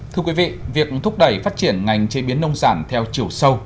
thưa quý vị việc thúc đẩy phát triển ngành chế biến nông sản theo chiều sâu